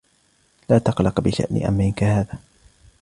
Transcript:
لا تقلق بشأن أمر كهذا.